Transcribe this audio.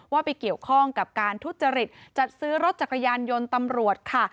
ว่าไปเกี่ยวข้องกับการทุจริตจัดซื้อรถจักรยานยนต์ตำรวจค่ะ